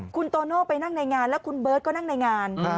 คุณโตโน่ไปนั่งในงานแล้วคุณเบิร์ตก็นั่งในงาน